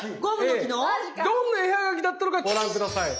どんな絵はがきだったのかご覧下さい。